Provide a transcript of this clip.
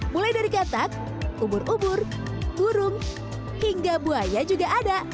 mulai dari katak ubur ubur burung hingga buaya juga ada